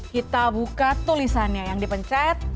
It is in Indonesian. kita buka tulisannya yang dipencet